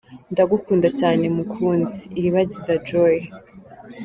Ndagukunda cyane mukunzi , Iribagiza Joy.